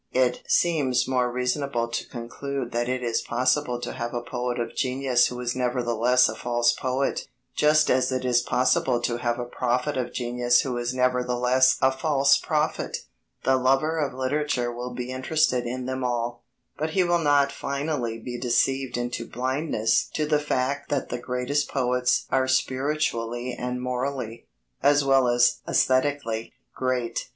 It seems more reasonable to conclude that it is possible to have a poet of genius who is nevertheless a false poet, just as it is possible to have a prophet of genius who is nevertheless a false prophet. The lover of literature will be interested in them all, but he will not finally be deceived into blindness to the fact that the greatest poets are spiritually and morally, as well as aesthetically, great.